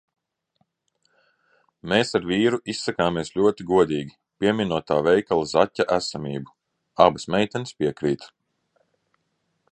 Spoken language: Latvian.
Mēs ar vīru izsakāmies ļoti godīgi, pieminot tā veikala zaķa esamību. Abas meitenes piekrīt.